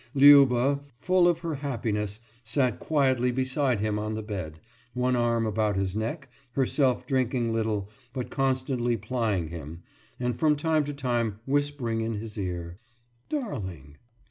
Liuba, full of her happiness, sat quietly beside him on the bed, one arm about his neck, herself drinking little, but constantly plying him, and from time to time whispering in his ear, »Darling!